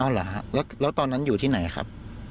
เหรอฮะแล้วตอนนั้นอยู่ที่ไหนครับ